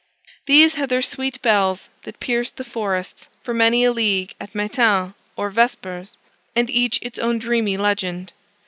These had their sweet bells that pierced the forests for many a league at matins or vespers, and each its own dreamy legend.